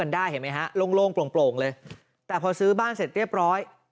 ได้เห็นไหมฮะโล่งโปร่งเลยแต่พอซื้อบ้านเสร็จเรียบร้อย